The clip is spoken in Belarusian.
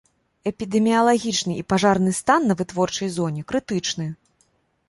Эпідэміялагічны і пажарны стан на вытворчай зоне крытычны.